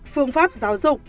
phương pháp giáo dục